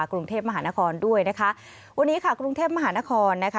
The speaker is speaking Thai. กรุงเทพมหานครด้วยนะคะวันนี้ค่ะกรุงเทพมหานครนะคะ